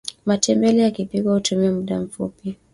matembele yakipikwa hutumia mda mfupi